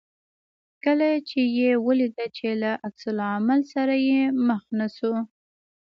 کله چې یې ولیدل چې له عکس العمل سره مخ نه شو.